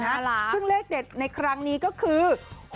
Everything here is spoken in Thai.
ซึ่งเลขเด็ดในครั้งนี้ก็คือ